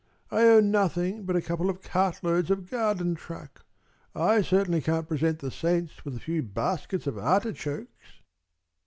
I own nothing but a couple of cartloads of garden truck. I certainly can't present the saints with a few baskets of artichokes!"